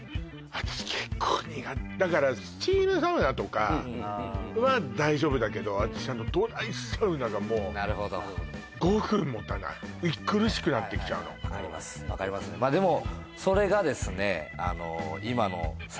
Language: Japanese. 私結構にがだからスチームサウナとかは大丈夫だけど私あのドライサウナがもう５分もたない苦しくなってきちゃうの分かりますでもそれがですね